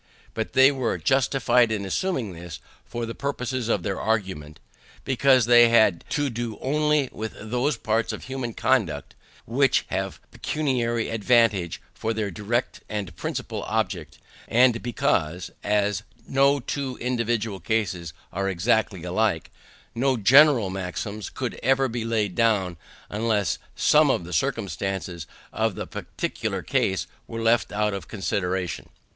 But they were justified in assuming this, for the purposes of their argument; because they had to do only with those parts of human conduct which have pecuniary advantage for their direct and principal object; and because, as no two individual cases are exactly alike, no general maxims could ever be laid down unless some of the circumstances of the particular case were left out of consideration.